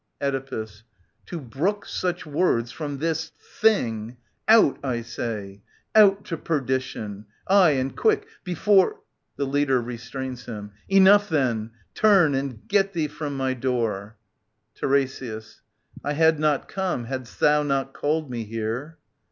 Oedipus. To brook such words from this thing ? Out, I say ! Out to perdition ! Aye, and quick, before ... [The Leader restrains him. Enough then !— Turn and get thee from my door. TiRESIAS. I had not come hadst thou not called me here.